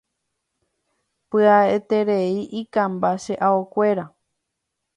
Pya'eterei ikãmba che aokuéra.